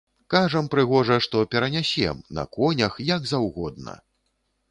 Кажам прыгожа, што перанясем, на конях, як заўгодна.